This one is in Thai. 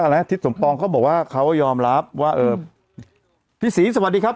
แล้วทิศสมปองเขาบอกว่าเขายอมรับว่าเออพี่ศรีสวัสดีครับ